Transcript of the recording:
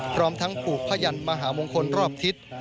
พร้อมทั้งผูกพยันมหามงคลรอบทิศ